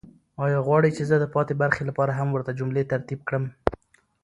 آیا غواړئ چې زه د پاتې برخې لپاره هم ورته جملې ترتیب کړم؟